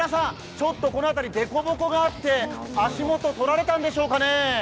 ちょっとこの辺り、凸凹があって足元をとられたんでしょうかね。